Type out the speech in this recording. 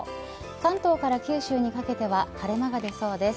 関東から九州にかけては晴れ間が出そうです。